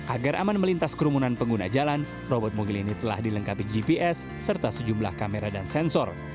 agar aman melintas kerumunan pengguna jalan robot mobil ini telah dilengkapi gps serta sejumlah kamera dan sensor